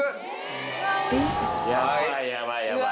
ヤバいヤバいヤバい。